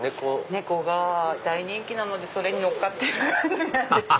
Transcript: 猫が大人気なのでそれに乗っかってる感じです。